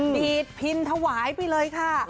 ดีดพินถวายไปเลยค่ะ